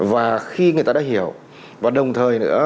và khi người ta đã hiểu và đồng thời nữa